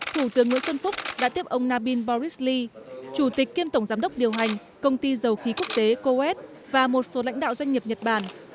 thủ tướng nguyễn xuân phúc đã tiếp ông nabin boris lee chủ tịch kiêm tổng giám đốc điều hành công ty dầu khí quốc tế coet và một số lãnh đạo doanh nghiệp nhật bản